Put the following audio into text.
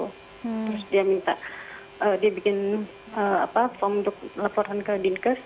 terus dia minta dia bikin form untuk laporan ke dinkes